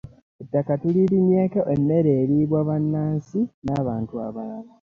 ettaka tulirimirako emmere eribwa bbannansi n'abantu abalala